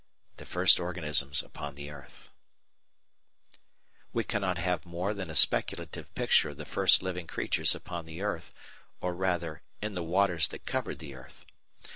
§ 4 The First Organisms upon the Earth We cannot have more than a speculative picture of the first living creatures upon the earth or, rather, in the waters that covered the earth.